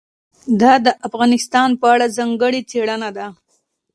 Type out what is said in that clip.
دا د افغانستان په اړه ځانګړې څېړنه ده.